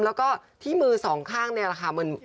แล้วก็ที่มือสองข้างเนี่ยแหละค่ะ